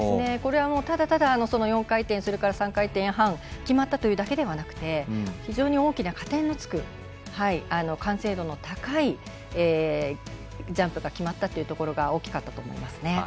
これはただただ４回転それから３回転半が決まったというだけではなくて非常に大きな加点のつく完成度の高いジャンプが決まったというところ大きかったと思います。